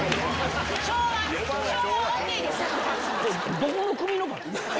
どこの組の方？